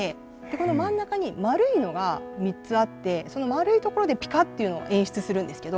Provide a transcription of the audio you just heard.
この真ん中に丸いのが３つあってその丸いところでピカッていうのを演出するんですけど。